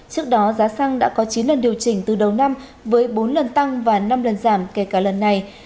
trước đó giá xăng đã có chín lần điều chỉnh từ đầu năm với bốn lần tăng và năm lần giảm kể cả lần này